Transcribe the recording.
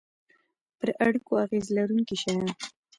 پر اړیکو اغیز لرونکي شیان